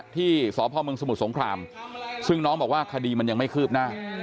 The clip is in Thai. ที่สพมสมุทรสงครามซึ่งน้องบอกว่าคดีมันยังไม่คืบหน้า